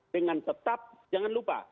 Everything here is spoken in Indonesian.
dengan tetap jangan lupa